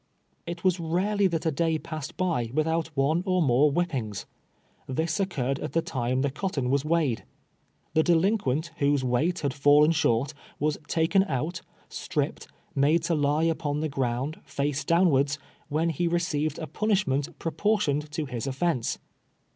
It was rarely that a day passed by without one or more whippings. This occurred at the time the cot ton was weighed. The delinquent, whose weight liad fallen short, was taken out, stripped, made to lie upon the ground, face downwards, when he received a pun ishment proportioned to his oftence.